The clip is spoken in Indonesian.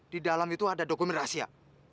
di dalam itu ada dokumen rahasia